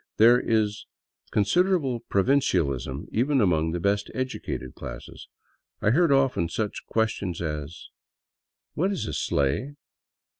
There is a con siderable provincialism, even among the best educated classes. I heard often such questions as "What is a sleigh?"